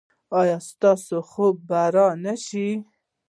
ایا ستاسو خوب به را نه شي؟